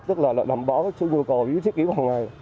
tức là đảm bảo sự nhu cầu với thiết kế hàng ngày